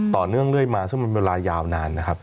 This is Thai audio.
ต่อเนื่องเรื่อยมาซึ่งมันเป็นเวลายาวนาน